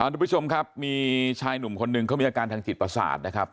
ทุกผู้ชมครับมีชายหนุ่มคนหนึ่งเขามีอาการทางจิตประสาทนะครับ